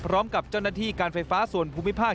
พร้อมกับเจ้าหน้าที่การไฟฟ้าส่วนภูมิภาค